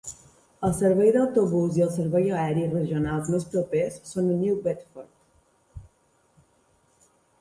El servei d'autobús i el servei aeri regionals més propers són a New Bedford.